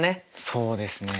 そうですね。